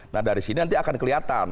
nah dari sini nanti akan kelihatan